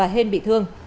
hên bị thương